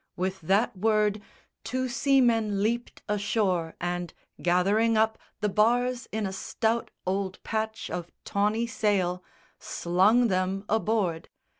With that word Two seamen leaped ashore and, gathering up The bars in a stout old patch of tawny sail, Slung them aboard.